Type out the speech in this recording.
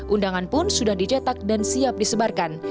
undangan pun sudah dicetak dan siap disebarkan